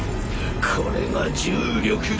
これが重力だ！